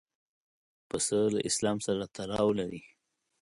پسه له اسلام سره تړاو لري.